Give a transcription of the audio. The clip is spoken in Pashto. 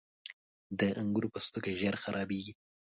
• د انګور پوستکی ژر خرابېږي.